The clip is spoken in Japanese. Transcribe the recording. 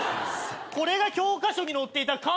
・これが教科書に載っていた缶という。